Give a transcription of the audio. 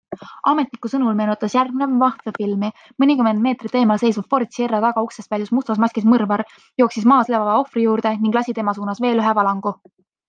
Ametniku sõnul meenutas järgnev maffiafilmi - mõnikümmend meetrit eemal seisva Ford Sierra tagauksest väljus mustas maskis mõrvar, jooksis maas lebava ohvri juurde ning lasi tema suunas veel ühe valangu.